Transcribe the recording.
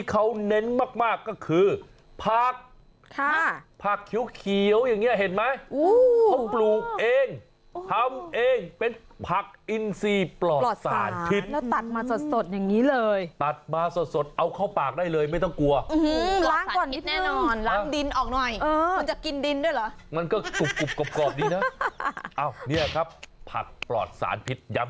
แล้วนอกจากรสชาติที่คิดค้นสูตรไปอย่างพิธีพิธั